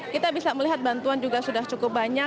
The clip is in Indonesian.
kita bisa melihat bantuan juga sudah cukup banyak